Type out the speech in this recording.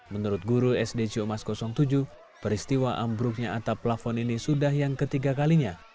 menurut guru sd ciumas tujuh peristiwa ambruknya atap plafon ini sudah yang ketiga kalinya